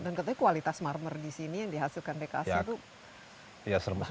dan katanya kualitas marmer di sini yang dihasilkan dks itu bagus